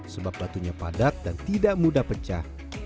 sebab batunya padat dan tidak mudah pecah